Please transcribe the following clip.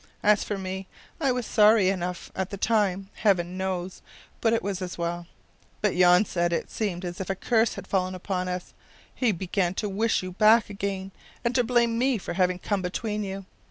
As for me, I was sorry enough at the time, Heaven knows, but it was as well. But Jan said it seemed as if a curse had fallen upon us; he began to wish you back again, and to blame me for having come between you.